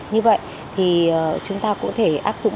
như vậy thì chúng ta cũng thể áp dụng